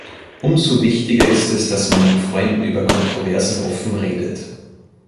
Umso wichtiger ist es, dass man mit Freunden über Kontroversen offen redet.